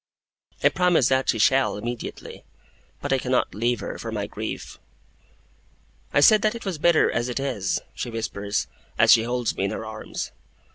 I promise that she shall, immediately; but I cannot leave her, for my grief. 'I said that it was better as it is!' she whispers, as she holds me in her arms.